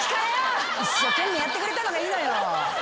一生懸命やってくれてんのがいいのよ。